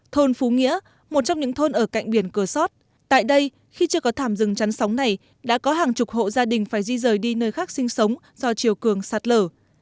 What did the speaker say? thôn phú nghĩa một trong những thôn ở cạnh biển cửa sót tại đây khi chưa có thảm rừng chắn sóng này đã có hàng chục hộ gia đình phải di rời đi nơi khác sinh sống do chiều cường sạt lở